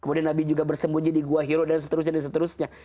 kemudian nabi juga bersembunyi di gua hiro dan seterusnya